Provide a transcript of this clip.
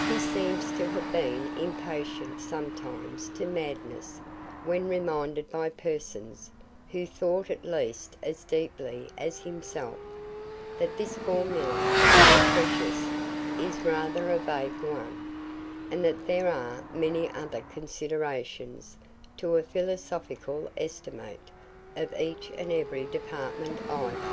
He seems to have been impatient sometimes to madness when reminded by persons who thought at least as deeply as himself, that this formula, though precious, is rather a vague one, and that there are many other considerations to a philosophical estimate of each and every department either.